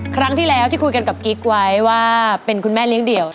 ครั้งที่แล้วที่คุยกันกับกิ๊กไว้ว่าเป็นคุณแม่เลี้ยงเดี่ยว